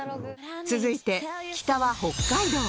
続いて北は北海道